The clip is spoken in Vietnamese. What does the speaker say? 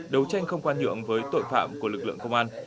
đấu tranh không khoan nhượng với tội phạm của lực lượng công an